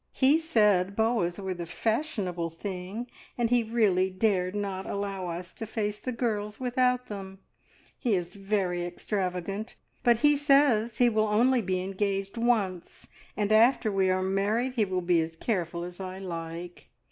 He said boas were the fashionable thing, and he really dared not allow us to face `the girls' without them. He is very extravagant, but he says he will only be engaged once, and after we are married he will be as careful as I like.